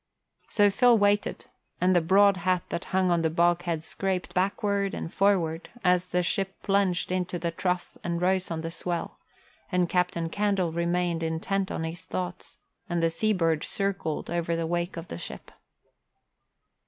So Phil waited; and the broad hat that hung on the bulkhead scraped backward and forward as the ship plunged into the trough and rose on the swell; and Captain Candle remained intent on his thoughts; and a sea bird circled over the wake of the ship.